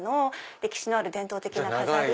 歴史のある伝統的な飾り。